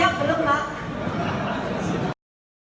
jangan dipindah pindah pak